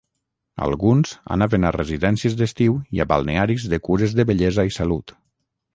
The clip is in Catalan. Alguns anaven a residències d'estiu i a balnearis de cures de bellesa i salut.